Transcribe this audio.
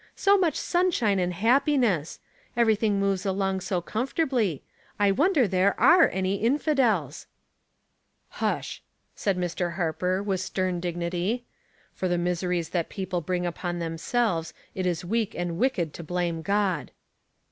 " So much sunshine and hap 262 Household Puzzles. piness. Everything moves aloDg so comfortably. I wonder there are any infidels." "Hush!'* said Mr. Harper, with stern dig nity. "For the miseries that people bring npon themselves it is weak and wicked to blame God.''